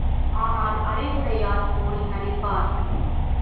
ஆனால், அறிவுடையார் போல நடிப்பார்.